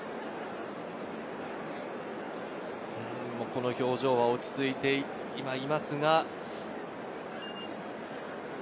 この表情は落ち着いていますが。